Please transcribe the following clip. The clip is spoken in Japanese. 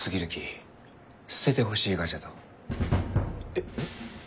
えっ？